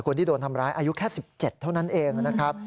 คนที่โดนทำร้ายอายุแค่๑๗เท่านั้นเองนะครับ